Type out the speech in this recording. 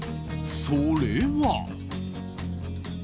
それは。